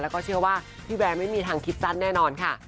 แล้วก็เชื่อว่าพี่แวร์ไม่มีทางคิดสั้นแน่นอนค่ะ